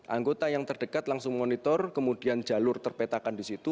anggota yang terdekat langsung monitor kemudian jalur terpetakan di situ